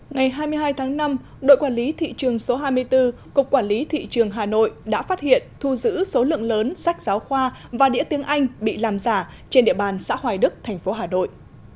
ngày hai mươi hai tháng năm đội quản lý thị trường số hai mươi bốn cục quản lý thị trường hà nội đã phát hiện thu giữ số lượng lớn sách giáo khoa và đĩa tiếng anh bị làm giả trên địa bàn xã hoài đức thành phố hà nội